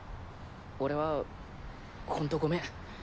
俺はほんとごめん。